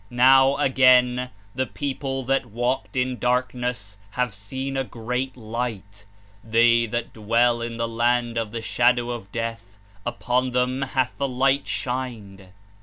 Now again — *Uhe people that ivalked in darkness have seen a great light; they that diicell in the land of the shadow of death, upon them hath the light shined."